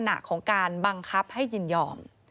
เป็นลักษณะของการบังคับให้ยินยอม